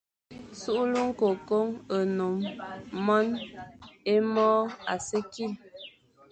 Sughle ñkôkon, nnôm, mône, é môr a si ye kî,